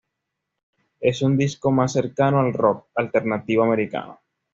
Es un disco más cercano al Rock Alternativo Americano.